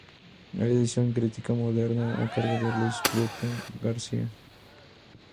Hay edición crítica moderna a cargo de Luis Alberto Prieto García.